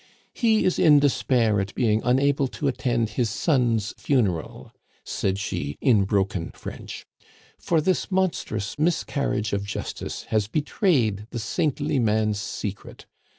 "He is in despair at being unable to attend his son's funeral," said she in broken French, "for this monstrous miscarriage of justice has betrayed the saintly man's secret.